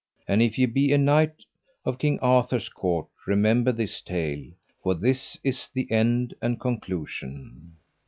And if ye be a knight of King Arthur's court remember this tale, for this is the end and conclusion.